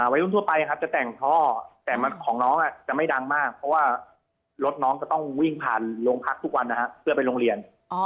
วัยรุ่นทั่วไปครับจะแต่งท่อแต่ของน้องจะไม่ดังมากเพราะว่ารถน้องก็ต้องวิ่งผ่านโรงพักทุกวันนะครับเพื่อไปโรงเรียน